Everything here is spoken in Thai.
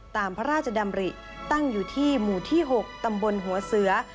ตามพระราชดำริตั้งอยู่ที่หมู่ที่๖ตำบลหัวเสือ